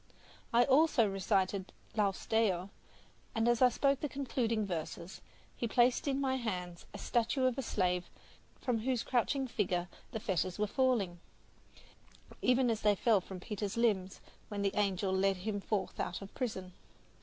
I also recited "Laus Deo," and as I spoke the concluding verses, he placed in my hands a statue of a slave from whose crouching figure the fetters were falling, even as they fell from Peter's limbs when the angel led him forth out of prison.